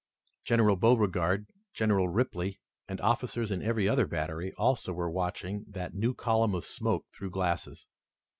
General Beauregard, General Ripley, and officers in every other battery, also were watching that new column of smoke through glasses.